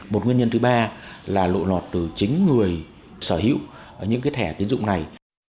một nguyên nhân thứ ba là lộ lọt từ chính người sở hữu những thẻ tiến dụng này